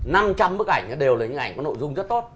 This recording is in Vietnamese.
năm trăm bức ảnh đều là những ảnh có nội dung rất tốt